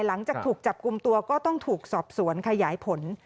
หลังจากถูกจับกลุ่มตัวก็ต้องถูกสอบสวนขยายผล